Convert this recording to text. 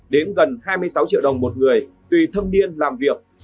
đến gần hai mươi sáu triệu đồng một người tùy thân niên làm việc